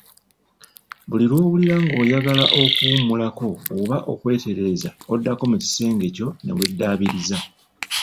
Buli lw‘owulira ng‘oyagala okuwummulako oba okwetereza oddako mu kisenge kyo ne weddabiriza.